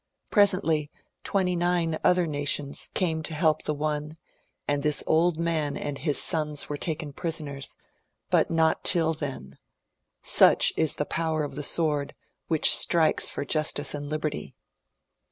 Presently twenty nine other nations came to help the one, and this old man and his sons were taken prisoners.^ but not till then ; such is the power of the sword which strike's for Justice and Liberty.